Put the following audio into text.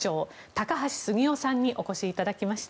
高橋杉雄さんにお越しいただきました。